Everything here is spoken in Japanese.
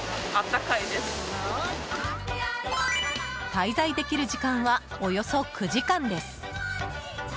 滞在できる時間はおよそ９時間です。